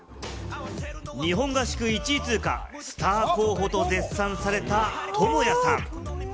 日本合宿１位通過、スター候補と絶賛されたトモヤさん。